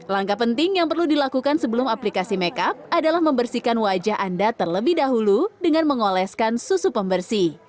langkah penting yang perlu dilakukan sebelum aplikasi make up adalah membersihkan wajah anda terlebih dahulu dengan mengoleskan susu pembersih